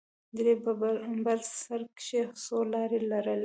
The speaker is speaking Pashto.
درې په بر سر کښې څو لارې لرلې.